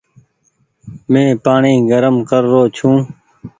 مين پآڻيٚ گرم ڪر رو ڇون ۔